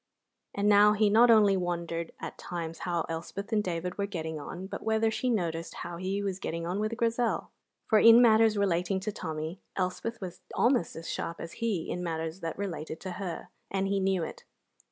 And now he not only wondered at times how Elspeth and David were getting on, but whether she noticed how he was getting on with Grizel; for in matters relating to Tommy Elspeth was almost as sharp as he in matters that related to her, and he knew it.